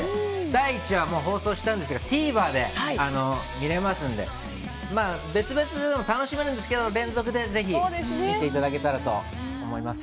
第１夜は放送したんですがＴＶｅｒで見れますので別々でも楽しめるんですけど連続でぜひ見ていただけたらと思います。